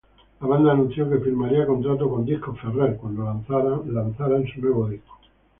La banda anuncio que firmaría contrato con Ferret Records, Cuando lanzaran su nuevo disco.